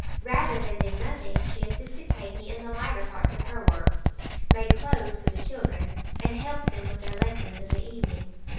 Rather than do nothing, she assisted Peggy in the lighter parts of her work, made clothes for the children, and helped them with their lessons in the evening.